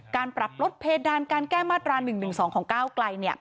การปรับลดเพดานการแก้มาตรา๑๑๒ของก้าวไกล